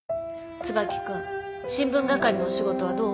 椿君新聞係のお仕事はどう？